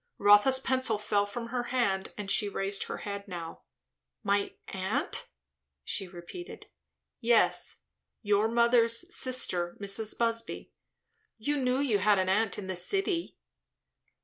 Rotha's pencil fell from her hand and she raised her head now. "My aunt?" she repeated. "Yes. Your mother's sister; Mrs. Busby. You knew you had an aunt in the city?"